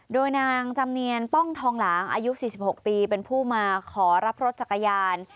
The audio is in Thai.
โดยนางจำเนียนป้องทองหลางอายุ๔๖ปีเป็นผู้มาขอรับรถจักรยาน